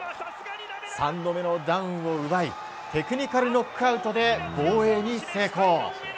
３度目のダウンを奪いテクニカルノックアウトで防衛に成功。